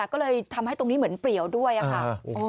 ก็เลยทำให้ตรงนี้เหมือนเปรียวด้วยค่ะ